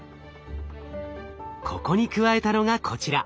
ここに加えたのがこちら。